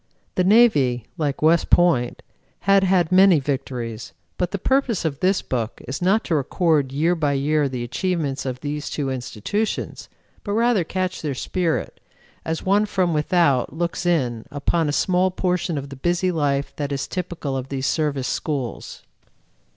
The Navy, like West Point, had had many victories, but the purpose of this book is not to record year by year the achievements of these two institutions, but rather catch their spirit, as one from without looks in upon a small portion of the busy life that is typical of these Service schools.